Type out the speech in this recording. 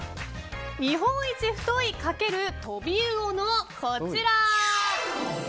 日本一太い×トビウオの、こちら。